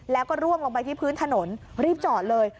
แล้วก็ร่วงลงไปที่พื้นถนนรีบจอดเลย